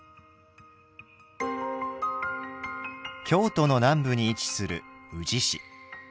京都の南部に位置する宇治市。